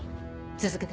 続けて。